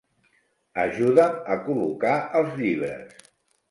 Ajuda'm a col·locar els llibres.